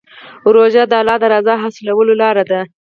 روژه د الله د رضا حاصلولو لاره ده.